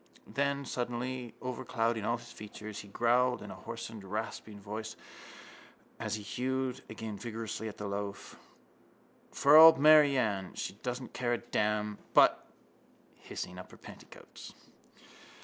Then, suddenly overclouding all his features, he growled in a hoarsened rasping voice as he hewed again vigorously at the loaf: _—For old Mary Ann She doesn't care a damn. But, hising up her petticoats...